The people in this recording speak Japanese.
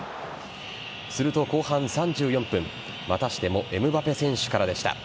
すると後半３４分またしてもエムバペ選手からでした。